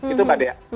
itu mbak dea